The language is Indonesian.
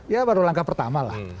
ya baru langkah pertama lah